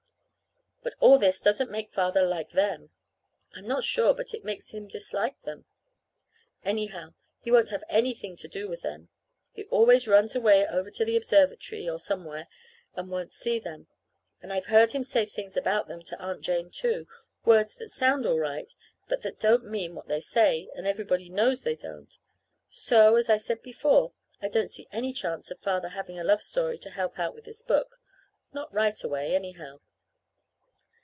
But all this doesn't make Father like them. I'm not sure but it makes him dislike them. Anyhow, he won't have anything to do with them. He always runs away over to the observatory, or somewhere, and won't see them; and I've heard him say things about them to Aunt Jane, too words that sound all right, but that don't mean what they say, and everybody knows they don't. So, as I said before, I don't see any chance of Father's having a love story to help out this book not right away, anyhow.